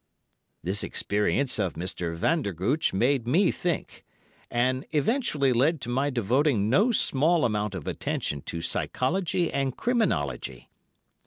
This experience of Mr. Vandergooch made me think; and eventually led to my devoting no small amount of attention to psychology and criminology.